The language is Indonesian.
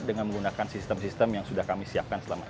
dengan menggunakan sistem sistem yang sudah kami siapkan selama ini